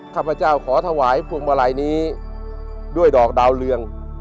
ข้าพเจ้าขอถวายพวงมาลัยนี้ด้วยดอกดาวเรือง